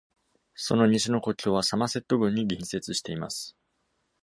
その西の国境はサマセット郡に隣接しています。